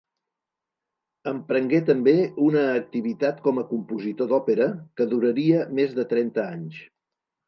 Emprengué també una activitat com a compositor d'òpera que duraria més de trenta anys.